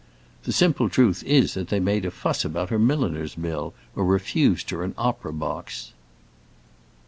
The simple truth is that they made a fuss about her milliner's bill or refused her an opera box."